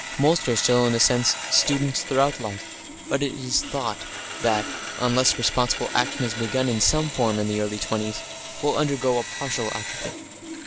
Most are still, in a sense, students throughout life, but it is thought that, unless responsible action is begun in some form in the early twenties, will undergoes a partial atrophy.